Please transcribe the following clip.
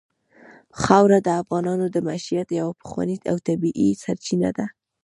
خاوره د افغانانو د معیشت یوه پخوانۍ او طبیعي سرچینه ده.